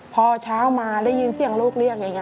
พอเช้ามาได้ยินเสียงลูกเรียกอย่างนี้